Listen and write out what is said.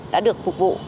đã được phục vụ